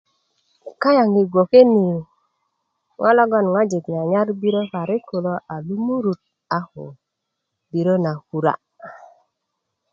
kayaŋ i bgwoke ni ŋo' logon ŋojik nyanyar birö parik lo a lumurut ko birö na kura